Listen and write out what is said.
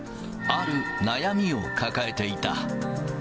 ある悩みを抱えていた。